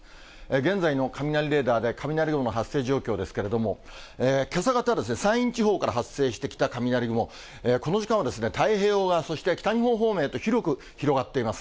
現在の雷レーダーで雷雲の発生状況ですけれども、けさ方、山陰地方から発生してきた雷雲、この時間は太平洋側、そして北日本方面へと広く広がっています。